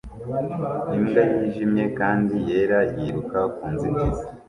Imbwa yijimye kandi yera yiruka ku nzitizi